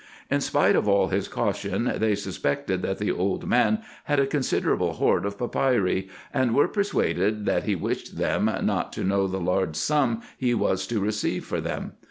In spite of all his caution, they suspected that the old man had a con siderable hoard of papyri, and were persuaded that he wished them not to know the large sum he was to receive for them.